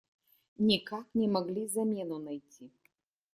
Никак не могли замену найти.